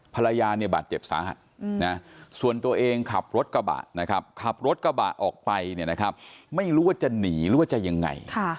ภรรยาบาดเจ็บซ้าส่วนตัวเองขับรถกระบะนะครับขับรถกระบะออกไปไม่รู้ว่าจะหนีหรือว่าจะยังไง